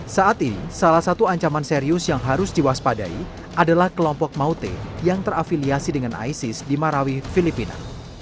saat ini salah satu ancaman serius yang harus diwaspadai adalah kelompok maute yang terafiliasi dengan isis di marawi filipina